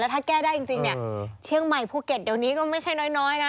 ถ้าแก้ได้จริงเนี่ยเชียงใหม่ภูเก็ตเดี๋ยวนี้ก็ไม่ใช่น้อยนะ